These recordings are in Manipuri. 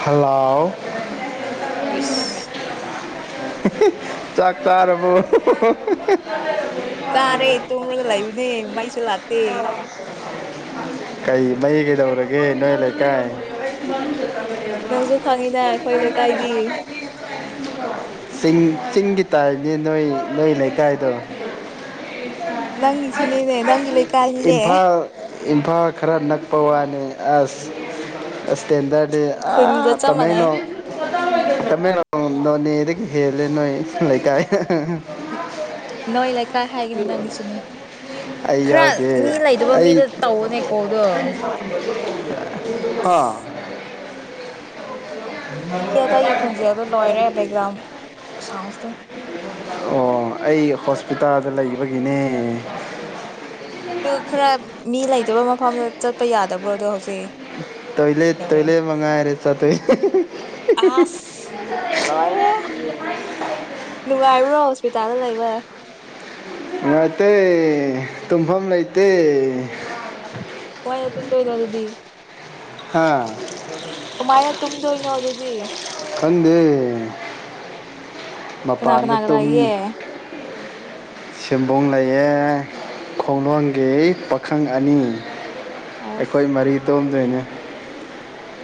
ꯍꯂꯥꯎ ꯄꯔꯤꯁ ꯆꯥꯛ ꯆꯥꯔꯕꯣ ꯆꯥꯔꯦ ꯇꯣꯝꯔꯒ ꯂꯩꯕꯅꯦ ꯃꯩꯁꯨ ꯂꯥꯛꯇꯦ ꯀꯩ ꯃꯩ ꯀꯩꯗꯧꯔꯒꯦ ꯅꯣꯏ ꯂꯩꯀꯥꯏ [unintelligible] ꯅꯪꯁꯨ ꯈꯪꯉꯤꯅ ꯑꯈꯣꯏ ꯂꯩꯀꯥꯏꯗꯤ ꯆꯤꯡ ꯆꯤꯡꯒꯤ ꯇꯥꯏꯞꯅꯤ ꯅꯣꯏ ꯅꯣꯏ ꯂꯩꯀꯥꯏꯗꯣ ꯅꯪꯒꯤꯁꯨꯅꯦꯅꯦ ꯅꯪꯒꯤ ꯂꯩꯀꯥꯏꯅꯤꯅꯦ ꯏꯝꯐꯥꯜ ꯏꯝꯐꯥꯜ ꯈꯔ ꯅꯛꯄ ꯋꯥꯅꯤ ꯑꯁ ꯔꯁꯇꯦꯟꯗ꯭ꯔ ꯑꯗꯤ ꯑ ꯈꯨꯟꯒ ꯆꯞ ꯃꯥꯟꯅꯩ ꯇꯃꯦꯡꯂꯣꯡ ꯇꯃꯦꯡꯂꯣꯡ ꯅꯣꯅꯦꯗꯒꯤ ꯍꯦꯜꯂꯦ ꯅꯣꯏ ꯂꯩꯀꯥꯏꯗ ꯅꯣꯏ ꯂꯩꯀꯥꯏ ꯍꯥꯏꯒꯅꯣ ꯅꯪꯒꯤꯁꯨꯅꯦ ꯑꯩ ꯈꯔ ꯌꯥꯎꯗꯦ ꯃꯤ ꯂꯩꯗꯕ ꯑꯩ ꯃꯤꯗ ꯇꯧꯑꯣꯅꯦꯀꯣ ꯑꯗꯣ ꯍꯥ ꯑꯁ ꯃꯤ ꯑꯇꯩꯏꯒꯤ ꯈꯨꯣꯟꯖꯦꯜ ꯑꯗꯣ ꯂꯣꯏꯔꯦ ꯕꯦꯛꯒ꯭ꯔꯥꯎꯟ ꯁꯥꯎꯁꯇꯣ ꯍꯞꯇꯥꯗ ꯂꯩꯕꯒꯤꯅꯦ ꯑꯗꯨ ꯈꯔ ꯃꯤ ꯂꯩꯇꯕ ꯃꯐꯝꯗ ꯆꯠꯄ ꯌꯥꯗꯕ꯭ꯔꯣ ꯑꯗꯣ ꯍꯧꯖꯤꯛ ꯇꯣꯏꯂ ꯀꯩꯗꯧꯔꯦ ꯇꯣꯏꯂ ꯃꯉꯥꯏꯔꯦ ꯆꯠꯇꫭꯏꯁꯤ ꯑꯁ ꯂꯣꯏꯔꯦ ꯅꯨꯡꯉꯥꯏꯕ꯭ꯔꯣ [inaudible] ꯉꯥꯏꯇꯩ ꯇꯨꯡꯐꯝ ꯂꯩꯇꯦ ꯍꯣꯏꯅꯦ ꯇꯨꯝꯗꯣꯏꯅꯣ ꯑꯗꯨꯗꯤ ꯍꯥꯥ ꯀꯨꯃꯥꯏꯅ ꯇꯨꯝꯗꯣꯏꯅꯣ ꯑꯗꯨꯗꯤ ꯈꯟꯗꯦ ꯀꯅꯥ ꯀꯅꯥ ꯂꯩꯌꯦ ꯁꯕꯣꯡ ꯂꯩꯌꯦ ꯈꯣꯡꯂꯣꯡꯒꯤ ꯄꯥꯈꯪ ꯑꯅꯤ ꯑꯩꯈꯣꯏ ꯑꯁ ꯃꯔꯤꯗ ꯑꯗꯨꯅꯦ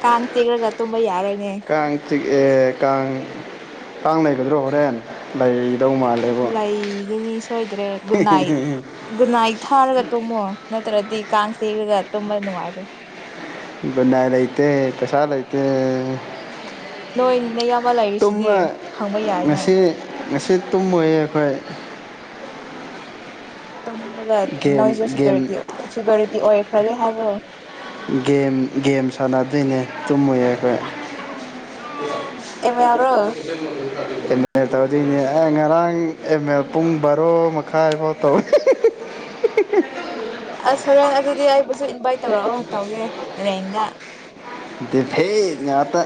ꯀꯥꯥꯡ ꯆꯤꯛꯑꯒ ꯇꯨꯝꯕꯥ ꯌꯥꯔꯦ ꯀꯥꯡ ꯆꯤꯛꯑꯦ ꯀꯥꯡ ꯀꯥꯡ ꯂꯩꯒꯗ꯭ꯔꯣ ꯍꯣꯔꯦꯟ ꯂꯩ ꯂꯩꯒꯅꯤ ꯁꯣꯏꯗ꯭ꯔꯦ ꯒꯨꯅꯥꯏꯠ ꯒꯨꯟꯅꯥꯏꯠ ꯊꯥꯔꯒ ꯇꯣꯝꯃꯣ ꯭ꯔꯗꯤ ꯀꯥꯡ ꯆꯤꯛꯑꯒ ꯇꯨꯝꯕ ꯅꯨꯡꯉꯥꯏ꯭ꯔꯣꯏ ꯒꯨꯠꯅꯥꯏꯠ ꯂꯩꯇꯦ ꯄꯩꯁꯥ ꯂꯩꯇꯦ [inaudible] ꯑꯃ ꯇꯨꯝꯃ ꯂꯩꯔꯤꯁꯤꯗꯤ ꯍꯪꯕ ꯌꯥꯏꯅꯦ ꯉꯁꯤ ꯉꯁꯤ ꯇꯨꯝꯃꯣꯏ ꯑꯩꯈꯣꯏ ꯇꯨꯝꯈ꯭ꯔꯒ ꯒꯦꯝ ꯅꯣꯏꯁꯨ ꯒꯦꯝ ꯁꯦꯀ꯭ꯌꯨꯔꯤꯇꯤ ꯁꯦꯀ꯭ꯌꯨꯔꯤꯇꯤ ꯑꯣꯏꯈ꯭ꯔꯒꯦ ꯍꯕꯣ ꯒꯦꯝ ꯒꯦꯝ ꯁꯥꯟꯅꯗꯣꯏꯅꯦ ꯇꯨꯝꯃꯔꯣꯏ ꯑꯩꯈꯣꯏ ꯑꯦꯝ ꯌꯥꯎꯔꯣ [inaudible] ꯇꯧꯗꯣꯏꯅꯦ ꯑꯩ ꯉꯔꯥꯡ ꯑꯦꯝ ꯑꯦꯜ ꯄꯨꯡ ꯕꯥꯔꯣ ꯃꯈꯥꯏꯐꯥꯎ ꯇꯧꯋꯤ ꯑꯁ ꯁꯣꯔꯦꯟ ꯑꯗꯨꯗꯤ ꯑꯩꯕꯨꯁꯨ ꯏꯟꯚꯥꯏꯠ ꯇꯧꯔꯛꯑꯣ ꯇꯧꯒꯦ ꯔꯦꯡꯗ ꯗꯤ ꯐꯩ ꯉꯍꯥꯛꯇ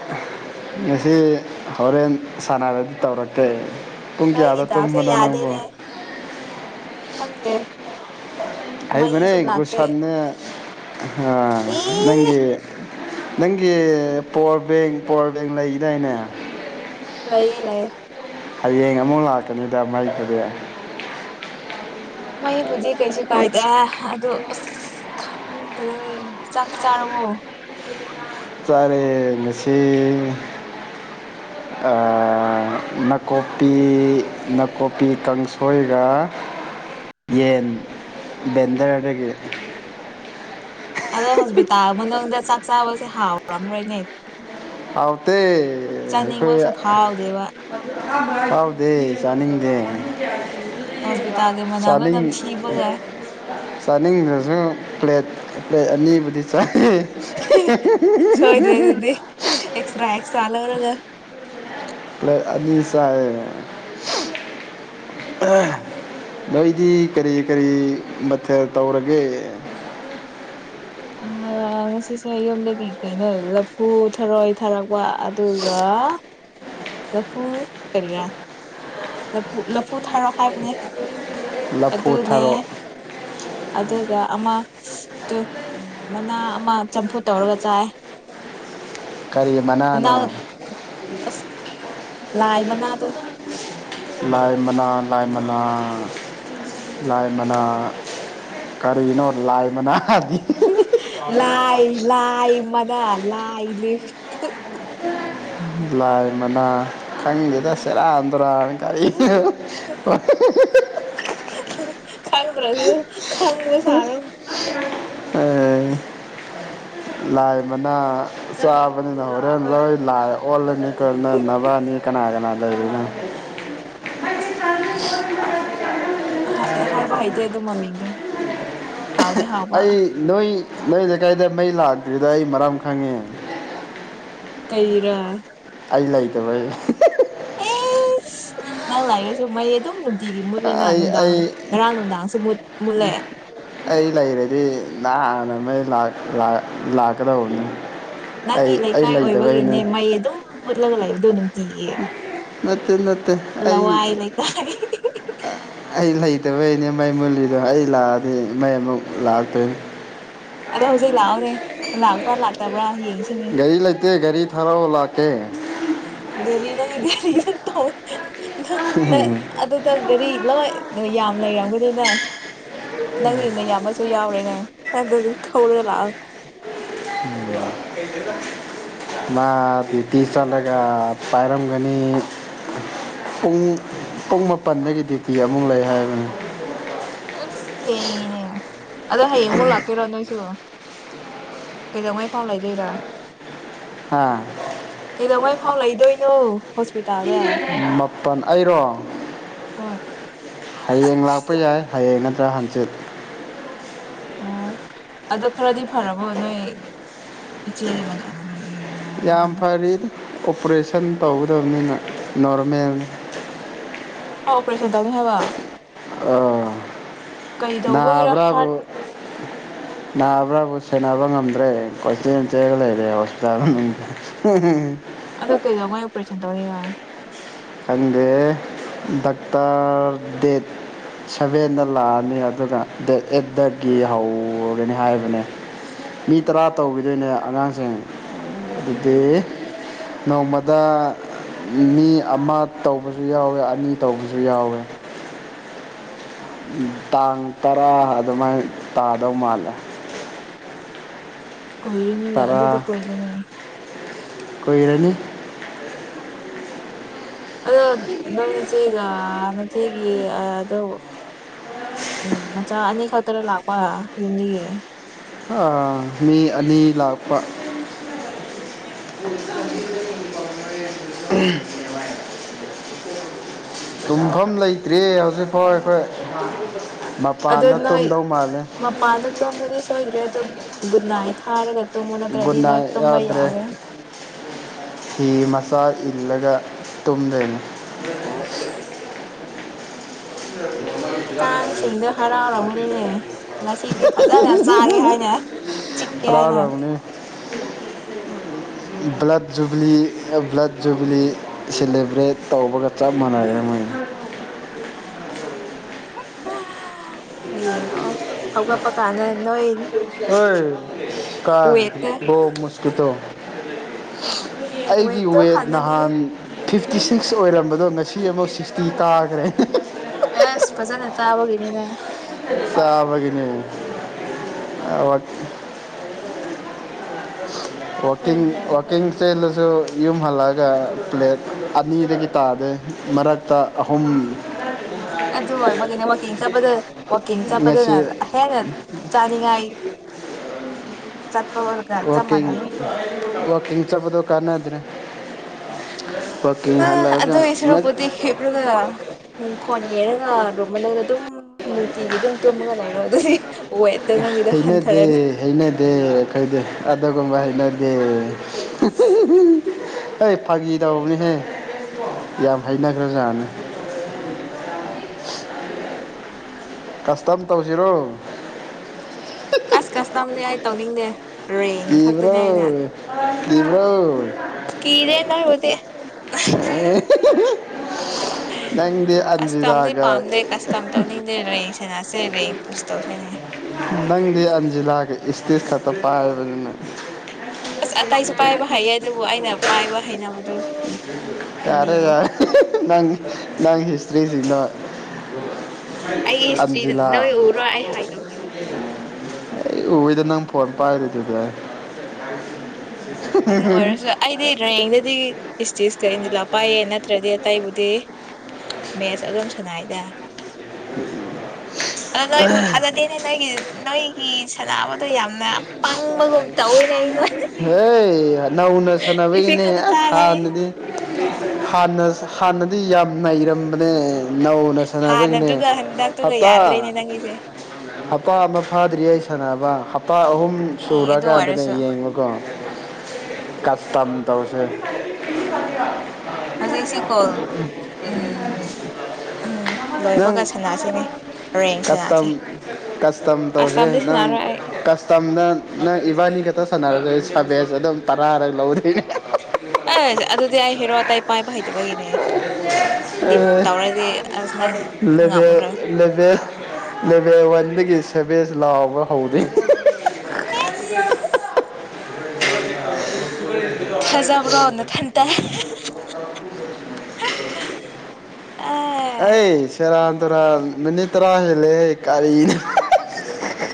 ꯉꯁꯤ ꯍꯣꯔꯦꯟ ꯁꯥꯟꯅꯕꯗꯤ ꯇꯧꯔꯛꯀꯦ ꯄꯨꯡ ꯅꯣꯏꯒꯤ ꯀꯌꯥꯗ ꯗꯥꯎꯁꯦ ꯇꯨꯝꯕꯅꯣ ꯅꯪꯕꯣ ꯌꯥꯗꯦꯅꯦ ꯈꯪꯗꯦ ꯃꯩꯁꯨ ꯍꯩꯕꯅꯦ ꯂꯥꯛꯇꯦ ꯒꯨꯁꯠꯅꯦ ꯑꯦ ꯅꯪꯒꯤ ꯅꯪꯒꯤ ꯄꯋꯥꯔ ꯕꯦꯡ ꯄꯋꯥꯔ ꯕꯦꯡ ꯂꯩꯗꯥꯏꯅꯦ ꯂꯩ ꯂꯩ ꯍꯌꯦꯡ ꯑꯃꯨꯛ ꯂꯥꯛꯀꯅꯤꯗ ꯃꯥꯏ [unintelligible] ꯃꯩꯕꯨꯗꯤ ꯀꯩꯁꯨ ꯀꯥꯏꯗꯦ ꯑꯗꯨ ꯑꯁ ꯈꯪꯗꯔꯦ ꯆꯥꯛ ꯆꯥꯔꯕꯣ ꯆꯥꯔꯦ ꯉꯁꯤ ꯑ ꯅꯥꯀꯨꯞꯄꯤ ꯅꯥꯀꯨꯞꯄꯤ ꯀꯥꯡꯁꯣꯏꯒ ꯌꯦꯟ ꯕꯦꯟꯗꯔꯗꯒꯤ ꯑꯗꯣ ꯍꯣꯁꯄꯤꯇꯥꯜ ꯃꯅꯨꯡꯗ ꯆꯥꯛ ꯆꯥꯕꯁꯦ ꯍꯥꯎꯔꯝꯔꯣꯏꯅꯦ ꯍꯥꯎꯇꯦ ꯑꯈꯣꯏ ꯆꯥꯅꯤꯡꯕꯁꯨ ꯐꯥꯎꯗꯦꯕ ꯐꯥꯎꯗꯦ ꯆꯥꯅꯤꯡꯗꯦ ꯍꯣꯁꯄꯤꯇꯥꯜꯒꯤ ꯃꯅꯝꯗꯣ ꯆꯥꯅꯤꯡ ꯅꯝꯊꯤꯕꯒ ꯆꯥꯅꯤꯡꯗꯔꯁꯨ ꯄ꯭ꯂꯦꯠ [unintelligible] ꯑꯅꯤꯕꯨꯗꯤ [unintelligible] ꯁꯣꯏꯗ꯭ꯔꯦ ꯑꯗꯨꯗꯤ [unintelligible] ꯑꯦꯛꯁꯇ꯭ꯔꯥ ꯑꯦꯁꯇ꯭ꯔꯥ ꯂꯧꯔꯒ ꯑꯅꯤ ꯆꯥꯏꯅ ꯅꯣꯏꯗꯤ ꯀꯔꯤ ꯀꯔꯤ ꯃꯊꯦꯜ ꯇꯧꯔꯒꯦ ꯉꯁꯤꯁꯦ ꯌꯨꯝꯗꯒꯤ ꯀꯩꯅꯣ ꯂꯐꯨ ꯊꯔꯣꯏ ꯊꯥꯔꯛꯄ ꯑꯗꯨꯒ ꯂꯐꯨ ꯀꯔꯤꯔꯥ ꯂꯐꯨ ꯂꯐꯨ ꯊꯥꯔꯣ ꯍꯥꯏꯕꯅꯦ ꯑꯗꯨꯅꯦ ꯂꯐꯨꯊꯔꯣ ꯑꯗꯨꯒ ꯑꯃ ꯃꯅꯥ ꯑꯃ ꯆꯝꯐꯨꯠ ꯇꯧꯔꯒ ꯆꯥꯏ ꯀꯔꯤ ꯃꯅꯥꯅꯣ ꯃꯅꯥ ꯑꯁ ꯂꯥꯏ ꯃꯅꯥꯗꯨ ꯂꯥꯏ ꯃꯅꯥ ꯂꯥꯏ ꯃꯅꯥ ꯂꯥꯏ ꯃꯅꯥ ꯀꯔꯤꯅꯣ ꯂꯥꯏ ꯃꯅꯥ [unintelligible] ꯂꯥꯏ ꯂꯥꯏ [unintelligible] ꯂꯥꯏ ꯃꯅꯥ ꯈꯪꯗꯦꯗ ꯁꯦꯔꯥꯟ [unintelligible] [unintelligible] ꯈꯪꯗꯔꯥꯁꯨ ꯈꯪꯕ ꯁꯥꯔꯣ ꯑꯦ ꯂꯥꯏ ꯃꯅ ꯆꯥꯕꯅꯤꯅ ꯍꯣꯔꯦꯟ ꯂꯣꯏ ꯂꯥꯏ ꯑꯣꯜꯂꯅꯤ [unintelligible] ꯅꯕꯅꯤ ꯀꯅꯥ ꯀꯅꯥ [unintelligible] ꯑꯁ [unintelligible] [unintelligible] ꯍꯥꯏꯕ ꯍꯩꯇꯦ ꯑꯗꯨ ꯃꯃꯤꯡꯗꯤ ꯑꯩ ꯅꯣꯏ ꯂꯩꯀꯥꯏꯗ ꯃꯩ ꯂꯥꯛꯇ꯭ꯔꯤꯗ ꯑꯩ ꯃꯔꯝ ꯈꯪꯉꯦ ꯀꯩꯔꯥ ꯑꯩ ꯂꯩꯇꯕꯩ [unintelligible] ꯅꯪ ꯂꯥꯔꯁꯨ ꯃꯩ ꯑꯗꯨꯝ ꯅꯨꯡꯇꯤꯒꯤ ꯃꯨꯠꯂꯤꯅ ꯑꯩ ꯅꯨꯡꯗꯥꯡ ꯑꯩ ꯉꯔꯥꯡ ꯅꯨꯡꯗꯥꯡꯁꯨꯨ ꯃꯨꯠꯂꯦ ꯑꯩ ꯂꯩꯔꯗꯤ ꯅꯍꯥꯟꯅ ꯃꯩ ꯃꯩ ꯂꯥꯛꯀꯗꯧꯕꯅꯤ ꯑꯩ ꯅꯪꯒꯤ ꯑꯩ ꯂꯩꯀꯥꯏ ꯂꯩꯇꯕꯩꯅꯦ ꯑꯣꯏꯕꯒꯤꯅꯦ ꯃꯩ ꯑꯗꯨꯝ ꯃꯨꯠꯂꯒ ꯂꯩꯕ ꯗꯨ ꯅꯨꯡꯇꯤꯒꯤ ꯅꯠꯇꯦ - ꯅꯠꯇꯦ ꯑꯩ ꯂꯋꯥꯏ ꯂꯩꯀꯥꯏ ꯑꯩ ꯂꯩ ꯂꯩꯩꯇꯕꯩꯅꯦ ꯃꯩ ꯃꯨꯜꯂꯤꯗꯣ ꯑꯩ ꯂꯥꯛꯑꯗꯤ ꯃꯩ ꯑꯃꯨꯛ ꯂꯥꯛꯇꯣꯅꯤ ꯑꯗꯣ ꯍꯧꯖꯤꯛ ꯂꯥꯛꯑꯣꯅꯦꯦ ꯂꯥꯛꯄ꯭ꯔꯥ ꯂꯥꯛꯇꯕ꯭ꯔꯥ ꯌꯦꯡꯉ ꯁꯤꯅꯤ ꯇꯦ ꯒꯔꯤ ꯊꯥꯔꯛꯑꯣ ꯂꯥꯛꯀꯦ ꯒꯥꯔꯤ ꯅꯪꯒꯤ ꯒꯔꯤ ꯅꯠꯇꯦ [inaudible] ꯅꯪ ꯅꯪ ꯑꯗꯨꯗ ꯒꯥꯔꯤ ꯂꯣꯏ ꯅꯣꯏ ꯌꯥꯝ ꯂꯩꯔꯝꯒꯅꯤꯅ ꯅꯪꯅ ꯍꯦꯟꯅ ꯌꯥꯝꯕꯁꯨ ꯌꯥꯎꯔꯦ ꯗ ꯑꯗꯨ ꯊꯧꯔꯒ ꯂꯥꯛꯑꯣ ꯃꯥ ꯗ꯭ꯌꯨꯇꯤ ꯆꯠꯂꯒ ꯄꯥꯏꯔꯝꯒꯅꯤ ꯄꯨꯡ ꯄꯨꯡ ꯃꯥꯄꯜꯗꯒꯤ ꯗ꯭ꯌꯨꯇꯤ ꯑꯃꯨꯛ ꯂꯩ ꯍꯥꯏꯕꯅꯤ ꯑꯁ ꯊꯦꯡꯉꯤꯅꯦ ꯑꯗꯣ ꯍꯌꯦꯡꯃꯨꯛ ꯂꯥꯛꯀꯦꯔꯣ ꯅꯣꯏꯁꯨ ꯀꯩꯗꯧꯉꯩ ꯐꯥꯎ ꯂꯩꯗꯣꯏꯔꯥ ꯍꯥꯥ [inaudible] ꯀꯩꯗꯧꯉꯩ ꯐꯥꯎ ꯂꯩꯗꯣꯏꯅꯣ ꯍꯣꯁꯄꯤꯇꯥꯜꯗ ꯃꯥꯄꯜ ꯑꯩꯔꯣ ꯍꯣꯏ ꯍꯌꯦꯡ ꯂꯥꯛꯄ ꯌꯥꯏ ꯍꯌꯦꯡ ꯇꯥ ꯍꯟꯖꯤꯜ [inaudible] ꯑꯣ ꯑꯗꯨ ꯈꯔꯗꯤ ꯐꯔꯕꯣ ꯅꯣꯏ ꯏꯆꯦꯒꯤ ꯃꯇꯥ ꯎꯝ ꯌꯥꯝ ꯐꯔꯤ ꯑꯣꯄꯔꯦꯁꯟ ꯇꯧꯒꯗꯕꯅꯤꯅ ꯅꯣꯔꯃꯦꯜꯅꯤ ꯍ ꯑꯣꯄꯔꯦꯁꯟ ꯇꯧꯅꯤ ꯍꯥꯏꯕ ꯑ ꯀꯩ ꯇꯧꯕꯒꯤꯔ ꯍꯥꯔꯠ ꯅꯥꯕ꯭ꯔꯥꯕꯨ ꯁꯦꯟꯅꯕ ꯉꯝꯗ꯭ꯔꯦ ꯀꯣꯏꯆꯦꯟ ꯆꯦꯂꯒ ꯂꯩꯔꯦ ꯍꯣꯁꯄꯤꯇꯥꯜ ꯃꯅꯨꯡ ꯑꯗꯣ ꯀꯩꯗꯧꯉꯏ ꯑꯣꯄꯣꯔꯦꯁꯟ ꯇꯧꯔꯦꯒ ꯈꯪꯗꯦ ꯗꯥꯛꯇꯔ ꯗꯦꯠ ꯁꯚꯦꯟꯗ ꯂꯥꯛꯑꯅꯤ ꯑꯗꯨꯒ ꯗꯦꯠ ꯑꯩꯠꯇꯒꯤ ꯍꯧꯔꯅꯤ ꯍꯥꯏꯕꯅꯦ ꯃꯤ ꯇꯔꯥ ꯇꯧꯕꯤꯗꯣꯏꯅꯦ ꯑꯉꯥꯡꯁꯤꯡ ꯑꯗꯨꯗꯤ ꯅꯣꯡꯃꯗ ꯃꯤ ꯑꯃ ꯇꯧꯕꯁꯨ ꯌꯥꯎꯋꯦ ꯑꯅꯤ ꯇꯧꯕꯁꯨ ꯌꯥꯎꯋꯦ ꯇꯥꯡ ꯇꯔꯥ ꯑꯗꯨꯃꯥꯏꯅ ꯇꯥꯗꯧ ꯃꯥꯜꯂꯦ ꯀꯨꯏꯔꯅꯤ ꯑꯗꯨꯗꯤ ꯀꯨꯏꯅ ꯉꯥꯏꯔ ꯀꯨꯏꯔꯥꯅꯤ ꯑꯗꯣ ꯅꯪꯏ ꯆꯦꯒ ꯅꯆꯦꯒꯤ ꯑꯗꯨ ꯎꯝ ꯃꯆꯥ ꯑꯅꯤ ꯈꯛꯇꯅ ꯂꯥꯛꯄ ꯅꯤ ꯥ ꯑꯥꯥ ꯃꯤ ꯑꯅꯤ ꯂꯥꯛꯄ ꯇꯨꯝꯐꯝ ꯂꯩꯇ꯭ꯔꯦ ꯍꯧ ꯍꯧꯖꯤꯛꯐꯧ ꯑꯩꯈꯣꯏ ꯑꯗꯣ ꯃꯄꯥꯟꯗ ꯇꯨꯝꯗꯧ ꯃꯥꯜꯂꯦ ꯃꯄꯥꯟꯗꯤ ꯁꯣꯏꯗꯔ꯭ꯦ ꯑꯗꯨꯝ ꯒꯨꯗ ꯅꯥꯏꯠ ꯊꯥꯔꯒ ꯇꯨꯝꯃꯨ ꯅꯠꯇ꯭ꯔꯗꯤ ꯅꯣꯏ ꯒꯨꯗꯅꯥꯏꯠ ꯇꯨꯝꯕ ꯌꯥꯎꯗꯔ꯭ꯦ ꯌꯥꯔꯣꯏ ꯐꯤ ꯆꯥ ꯏꯜꯂꯒ ꯇꯨꯝꯗꯣꯏꯅꯦ ꯑꯦ [unintelligible] ꯀꯥꯡꯁꯤꯡꯗꯣ ꯍꯔꯥꯎꯔꯝꯕꯅꯤꯅꯦ ꯉꯁꯤꯗꯤ ꯐꯖꯅ ꯆꯥꯒꯦ ꯍꯥꯏꯅ ꯆꯤꯛꯀꯦ ꯍꯥꯏꯅ ꯍꯔꯥꯎꯔꯕꯅꯤ ꯕ꯭ꯂꯠ ꯖꯨꯕ꯭ꯂꯤ ꯕ꯭ꯂꯠ ꯖꯨꯕ꯭ꯂꯤ ꯁꯦꯂꯦꯕ꯭ꯔꯦꯠ ꯇꯧꯕꯒ ꯆꯞ ꯃꯅꯔꯦꯅ ꯃꯣꯏꯅ ꯌꯦꯡꯉꯣ ꯍꯧꯒꯠꯄ ꯀꯥꯟꯗꯥ ꯅꯣꯏ ꯑꯣꯏ ꯋꯦꯠꯇ ꯀꯥꯡꯗꯣ ꯃꯁꯀꯤꯇꯣ [unintelligible] ꯑꯩꯒꯤ ꯋꯦꯠꯇꯣ ꯋꯦꯠ ꯍꯥꯟꯅꯗꯤ ꯅꯍꯥꯟ ꯐꯤ ꯁꯤꯛꯁ ꯑꯣꯏꯔꯝꯕꯗꯣ ꯉꯁꯤ ꯑꯃꯨꯛ ꯁꯤꯛꯁꯇꯤ ꯇꯥꯈ꯭ꯔꯦ ꯑꯁ ꯐꯖꯅ ꯆꯥꯕꯒꯤꯅꯤꯅ ꯆꯥꯕꯒꯤꯅꯤ ꯑ ꯋꯀꯤꯡ ꯋꯥꯛꯀꯤꯡ ꯆꯦꯜꯂꯁꯨ ꯌꯨꯝ ꯍꯜꯂꯛꯑꯒ ꯄ꯭ꯂꯦꯠ ꯑꯅꯤꯗꯒꯤ ꯇꯥꯗꯦ ꯃꯔꯛꯇ ꯑꯍꯨꯝ ꯑꯗꯨ ꯑꯣꯏꯕꯒꯤ ꯋꯥꯛꯀꯤꯡ ꯆꯠꯄꯗ ꯋꯥꯛꯀꯤꯡ ꯉꯁꯤ ꯆꯠꯄꯗꯅ ꯍꯦꯟꯅ ꯆꯥꯅꯤꯡꯉꯥꯏ ꯆꯠꯄꯒ ꯆꯞ ꯃꯥꯟꯅꯅꯤ ꯋꯥꯀꯤꯡ ꯆꯄꯗꯣ ꯀꯥꯟꯅꯗ꯭ꯔꯦ ꯋꯥꯀꯤꯡ ꯑ ꯍꯜꯂꯛꯑꯒ ꯑꯗꯨ ꯁꯣꯔꯛꯄꯨꯗꯤ ꯍꯤꯞꯂꯒ ꯎ ꯐꯣꯟ ꯌꯦꯡꯔꯒ ꯔꯨꯝ ꯃꯅꯨꯡꯗ ꯑꯗꯨꯝ ꯅꯨꯡꯇꯤꯒꯤ ꯑꯗꯨꯝ ꯇꯨꯝꯒ ꯂꯩꯩꯅꯣ ꯑꯗꯨꯗꯤ ꯋꯦꯠꯇꯣ ꯅꯪꯒꯤꯗꯣ ꯍꯩꯅꯦꯗꯦ ꯍꯟꯊꯔꯅꯤ ꯍꯩꯅꯦꯗꯦ ꯑꯈꯣꯗꯤ ꯑꯗꯨꯒꯨꯝꯕ ꯍꯩꯅꯗꯦ ꯍ ꯐꯥꯒꯤ ꯇꯧꯕꯅꯤꯍꯦ ꯌꯥꯝ ꯍꯩꯅꯈ꯭ꯔꯖꯥꯅꯤ ꯀꯁꯇꯝ ꯇꯧꯁꯤꯔꯣ ꯑꯁ ꯀꯁꯇꯝꯅꯦ ꯑꯩ ꯇꯧꯅꯤꯡꯗꯦ ꯔꯦꯡ ꯈꯛꯇꯅꯦ ꯀꯤꯕ꯭ꯔꯣ ꯑꯩꯅ ꯀꯤꯕ꯭ꯔꯣ ꯀꯤꯔꯦ ꯅꯣꯏꯕꯨꯗꯤ ꯅꯪꯗꯤ ꯀꯁꯇꯝꯗꯤ ꯑꯟꯖꯤꯂꯥꯒ ꯄꯥꯝꯗꯦ ꯀꯁꯇꯝ ꯇꯧꯅꯤꯡꯗꯦ ꯔꯦꯡ ꯁꯦꯟꯅꯁꯦ ꯔꯦꯡ ꯄꯨꯁ ꯇꯧꯁꯤꯅꯦ ꯅꯪꯗꯤ ꯑꯟꯖꯤ ꯂꯒꯦ ꯏꯁꯇꯤꯔ ꯊꯠꯇ ꯄꯥꯔꯕ ꯑꯁ ꯑꯇꯇꯩꯁꯨ ꯄꯥꯏꯕ ꯍꯥꯏꯩꯌꯦ ꯑꯗꯨꯕꯨ ꯑꯩꯅ ꯄꯥꯏꯕ ꯍꯥꯏꯅꯕꯨꯗꯨ ꯌꯥꯔꯦ ꯌꯥꯔꯦ ꯅꯪꯁꯤ ꯔꯤꯁꯤꯡꯅ ꯑꯩꯒꯤ ꯍꯤꯁꯇ꯭ꯔꯤꯗ ꯅꯣꯏ ꯎꯔꯣ ꯑꯩ ꯍꯥꯏ ꯇꯧꯈꯤꯕꯅꯦ ꯎꯣꯏꯗ ꯅꯪ ꯐꯣꯟ ꯄꯥꯢꯗꯨꯗꯤ ꯑꯗꯨ ꯑꯣꯏꯔꯁꯨ ꯑꯩꯗꯤ ꯔꯌꯦꯡꯗꯗꯤ ꯏꯁꯇꯤꯁꯀ ꯏꯟꯖꯤꯜꯂꯥ ꯄꯥꯏꯑ ꯅꯠꯇ꯭ꯔꯗꯤ ꯑꯇꯩꯕꯨꯗꯤ ꯃꯦꯠꯁ ꯑꯗꯨꯝ ꯁꯅꯥꯏꯗ ꯑꯗꯣ ꯅꯣꯏ ꯃꯨꯊꯥꯗꯤꯅꯦ ꯅꯣꯏ ꯀ ꯅꯣꯏꯒꯤ ꯁꯥꯟꯕꯗꯣ ꯌꯥꯝꯅ ꯄꯪꯕꯒꯨꯝ ꯇꯧꯋꯏꯅꯦ ꯑꯩꯉꯣꯟ ꯍ ꯍꯥꯏ ꯅꯧꯅ ꯗꯤꯐꯤꯛ ꯁꯥꯟꯅꯕꯒꯤꯅꯦ ꯈꯛꯇ ꯑ ꯆꯥꯒꯅꯤ ꯍꯥꯟꯅꯗꯤ ꯍꯅ ꯍꯥꯟꯅꯗꯤ ꯌꯥꯝ ꯅꯩꯔꯝꯕꯅꯦ ꯅꯧꯅ ꯁꯥꯟꯅꯕꯒꯤꯅꯦ ꯍꯥꯟꯅꯗꯨꯒ ꯍꯟꯗꯛꯇꯨꯒ ꯍꯞꯇꯥ ꯌꯥꯗ꯭ꯔꯦꯅꯦ ꯅꯪꯒꯤꯁꯦ ꯍꯞꯇꯥ ꯑꯃ ꯐꯥꯗ꯭ꯔꯤ ꯑꯩ ꯁꯥꯟꯅꯕ ꯍꯞꯇꯥ ꯑꯍꯨꯝ ꯑꯦ ꯑꯗꯨ ꯁꯨꯔꯀꯥꯟꯗꯅꯦ ꯑꯣꯏꯔꯁꯨ ꯌꯦꯡꯕ ꯀꯥꯁꯇꯃ ꯇꯧꯁꯦ ꯍꯧꯖꯤꯛ ꯁꯤ ꯀꯣ ꯎꯝ ꯎꯝ ꯅꯪ ꯂꯣꯏꯕꯒ ꯁꯥꯟꯅꯁꯤꯅꯦ ꯔꯦꯡ ꯀꯁꯇ ꯁꯥꯟꯅꯁꯦ ꯀꯁꯇꯝ ꯇꯧꯁꯦ ꯀꯁꯇꯝꯗꯤ ꯅꯪ ꯁꯥꯟꯅꯔꯣꯏ ꯀꯁꯇꯝꯗ ꯅꯪ ꯏꯕꯥꯅꯤꯒ ꯁꯥꯟꯅꯔ ꯁꯥꯕꯦꯁ ꯑꯗꯨꯝ ꯇꯔꯥꯔ ꯂꯧꯗꯨꯅꯤ ꯑ ꯑꯗꯨ ꯑꯗꯨꯗꯤ ꯑꯩ ꯍꯦꯔꯣ ꯇꯥꯏ ꯄꯥꯏꯕꯩꯗꯕꯒꯅꯦ ꯉꯝꯔꯣꯏ ꯂꯩꯕꯦꯜ ꯑꯣꯟꯗꯒꯤ ꯁꯦꯕꯦꯁ ꯂꯥꯎꯕ ꯍꯧꯗꯣꯏꯅꯤ ꯑꯦꯁ ꯈꯖꯕꯔꯣ ꯅꯊꯅꯇ ꯑꯦ ꯑꯩ ꯁꯦꯔꯟ ꯔꯥ ꯃꯤꯅꯤꯗ ꯇꯔꯥ ꯍꯦꯂꯦ ꯀꯥꯔꯤꯅꯣ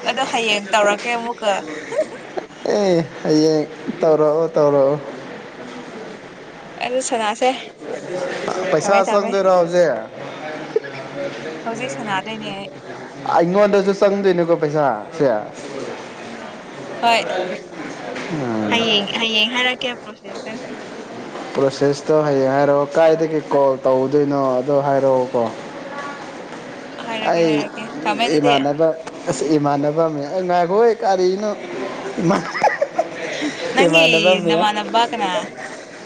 ꯑꯗꯣ ꯍꯌꯦꯡ ꯇꯧꯔꯛꯀꯦ ꯑꯃꯨꯛꯀ ꯑꯦ ꯍꯌꯦꯡ ꯇꯧꯔꯛꯑꯣ ꯇꯧꯔꯛꯑꯣ ꯑꯗꯨ ꯁꯅꯥꯁꯦ ꯊꯝꯃꯦ ꯄꯩꯁꯥ ꯊꯝꯃꯦ ꯆꯪꯗꯣꯏꯔꯣ ꯍꯧꯖꯤꯛ ꯍꯧꯖꯤꯛ ꯁꯅꯥꯗꯣꯏꯅꯦ ꯑꯩ ꯏꯉꯣꯅꯗꯁꯨ ꯆꯪꯗꯣꯏꯅꯦꯀꯣ ꯄꯩꯁꯥ ꯁꯦ ꯍꯣꯏ ꯍꯌꯦꯡ ꯍꯌꯦꯡ ꯍꯥꯏꯔꯛꯀꯦ ꯂꯣꯏꯁꯤꯜꯂꯁꯦ ꯄ꯭ꯔꯣꯁꯦꯁꯇꯣ ꯍꯌꯦꯡ ꯍꯥꯏꯔꯛꯑꯣ ꯀꯗꯥꯥꯏꯗꯒꯤ ꯀꯣꯜ ꯇꯧꯗꯣꯏꯅꯣ ꯑꯗꯣ ꯍꯥꯏꯔꯛꯑꯣꯀꯣ ꯍꯥꯏꯔꯛꯀꯦ ꯑꯩ ꯍꯥꯏꯔꯛꯀꯦ ꯊꯝꯃꯦ ꯑꯗꯨꯗꯤ ꯏꯃꯥꯟꯅꯕ ꯏꯃꯥꯟꯅꯕ [unintelligible] ꯉꯏꯈꯣꯍꯦ ꯀꯔꯤꯅ ꯅꯪꯒꯤ ꯅꯃꯥꯟꯅꯕ ꯀꯅꯥ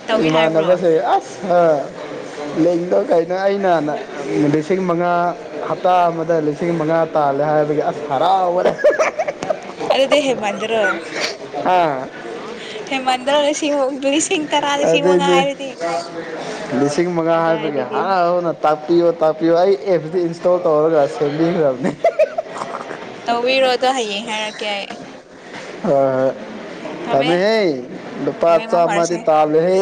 ꯇꯧꯒꯦ ꯍꯥꯏꯕ꯭ꯔꯣ ꯂꯦꯡꯗꯧ ꯀꯩꯅꯣ ꯑꯩꯅ ꯂꯤꯁꯤꯡ ꯃꯉꯥ ꯍꯞꯇꯥ ꯑꯃꯗ ꯂꯤꯁꯤꯡ ꯃꯉꯥ ꯇꯥꯜꯂꯦ ꯍꯥꯏꯕꯒꯤ ꯑꯁ ꯍꯔꯥꯎꯋꯔꯦ ꯑꯗꯗꯦ ꯍꯦꯃꯗꯔꯣ ꯑꯥ ꯔ ꯁꯤꯕꯧꯗ ꯂꯤꯁꯤꯡ ꯇꯔꯥ ꯂꯤꯁꯤꯡ ꯃꯉꯥ ꯑꯗꯨꯏꯅꯦ ꯍꯥꯏꯔꯗꯤ ꯂꯤꯁꯤꯡ ꯃꯉꯥ ꯍꯥꯏꯕꯒꯤ ꯀꯗꯥꯏꯗꯒꯤ ꯍꯔꯥꯎ ꯍꯅꯥꯛ ꯇꯥꯛꯄꯤꯌꯣ ꯇꯥꯛꯄꯤꯌꯣ ꯑꯩ ꯑꯦꯞꯁꯤ ꯏꯟꯁꯇꯣꯜ ꯇꯧꯔꯒ ꯁꯦꯝꯕꯤꯈ꯭ꯔꯕꯅꯤ ꯇꯧꯕꯤꯔꯣ ꯑꯗꯨꯣ ꯍꯌꯦꯡ ꯍꯥꯏꯔꯛꯀꯦ ꯑꯩ ꯑ ꯊꯝꯃꯦ ꯊꯃꯦ ꯍꯦ ꯅꯨꯄꯥ ꯊꯝꯃꯦ ꯃꯪ ꯆꯥꯝꯃꯗꯤ ꯐꯔꯁꯦ ꯇꯥꯜꯂꯦ ꯍꯦ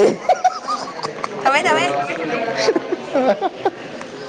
ꯊꯝꯃꯦ ꯊꯝꯃꯦ [unintelligible] [unintelligible]